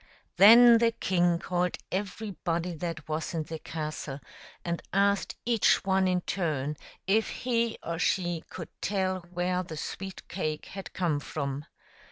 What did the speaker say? Then the king called everybody that was in the castle, and asked each one in turn if he or she could tell where the sweet cake had come from.